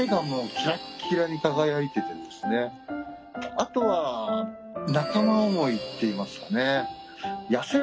あとは仲間思いって言いますかね。